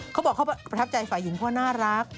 เขาบอกเขาประทับใจฝ่ายหญิงเขาน่ารัก